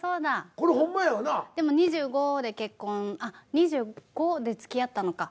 でも２５で結婚あっ２５でつきあったのか。